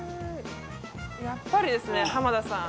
やっぱりですね浜田さん。